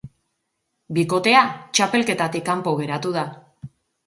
Bikotea txapelketatik kanpo geratu da.